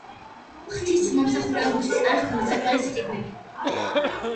ღვთისმსახურებისთვის არ ჰქონდათ საკმარისი წიგნები.